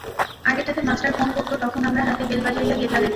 আগেরটাতে master phone করত তখন আমরা হাতে বেল বাজাইয়া গেট লাগাইতাম।